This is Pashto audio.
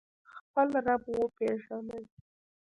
خپل رب وپیژنئ